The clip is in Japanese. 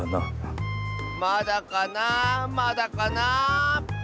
まだかなまだかな。